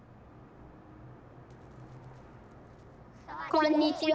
こんにちは。